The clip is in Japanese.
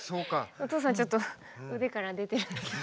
お父さんちょっと腕から出てるんだけど。